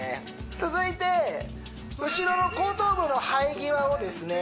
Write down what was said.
続いて後ろの後頭部の生え際をですね